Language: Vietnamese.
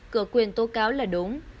cửa quyền tố cáo là đúng